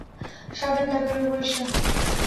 সাবধান, তার প্রেমে পড়িস না।